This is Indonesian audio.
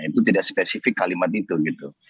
itu tidak spesifik kalimat itu gitu